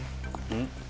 うん。